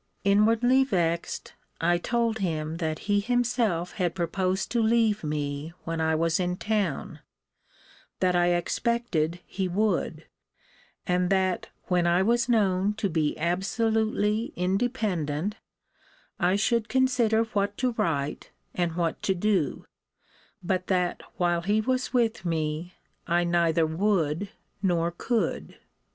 Inwardly vexed, I told him that he himself had proposed to leave me when I was in town; that I expected he would: and that, when I was known to be absolutely independent, I should consider what to write, and what to do: but that while he was with me, I neither would nor could.